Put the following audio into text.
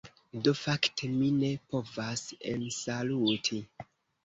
Do fakte mi ne povas ensaluti.